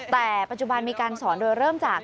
แต่ปัจจุบันมีการสอนโดยเริ่มจาก